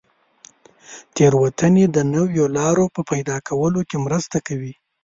تېروتنې د نویو لارو په پیدا کولو کې مرسته کوي.